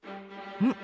うん？